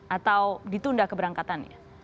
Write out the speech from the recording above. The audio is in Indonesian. atau ditunda keberangkatannya